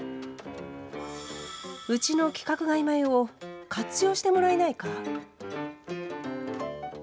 うちの規格外米を活用してもらえないか。